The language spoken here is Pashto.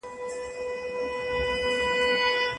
خاوند به خپلو ټولو ميرمنو ته په کومه سترګه ګوري؟